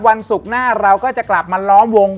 วันศุกร์หน้าเราก็จะกลับมาล้อมวง